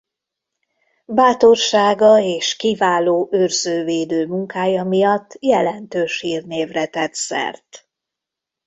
Bátorsága és kiváló őrző-védő munkája miatt jelentős hírnévre tett szert.